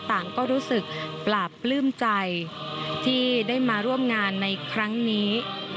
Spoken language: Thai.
ต่างก็รู้สึกปราบปลื้มใจที่ได้มาร่วมงานในครั้งนี้